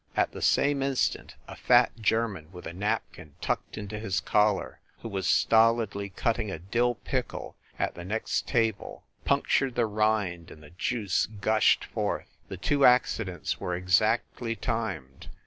At the same instant, a fat German with a napkin tucked into his collar, who was stolidly cutting a dill pickle at the next table, punctured the rind, and the juice gushed forth. The two accidents were exactly timed.